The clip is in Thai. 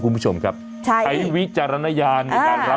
คุณผู้ชมครับใช่ไอ้วิจารณญาณเอ้าดังรับ